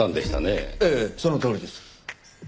ええそのとおりです。